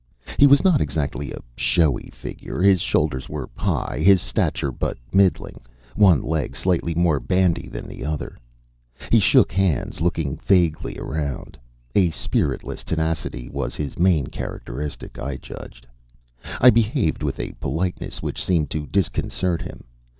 He was not exactly a showy figure; his shoulders were high, his stature but middling one leg slightly more bandy than the other. He shook hands, looking vaguely around. A spiritless tenacity was his main characteristic, I judged. I behaved with a politeness which seemed to disconcert him.